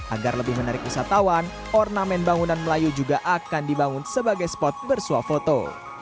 agar lebih menarik wisatawan ornamen bangunan melayu juga akan dibangun sebagai spot bersuah foto